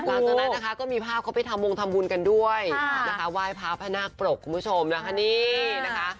ทั้งนั้นนะคะก็มีภาพเขาไปทำวงทำวุลกันด้วยว่าให้ภาพพระนาคปรกคุณผู้ชมนะคะนี่นะคะ